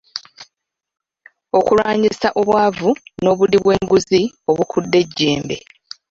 Okulwanyisa obwavu n'obuli bwenguzi obukudde ejjembe.